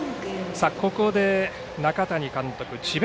ここで中谷監督、智弁